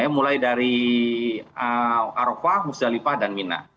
mulai dari arofah musdalifah dan mina